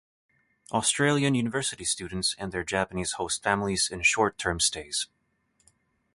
Australian university students and their Japanese host families in short term stays.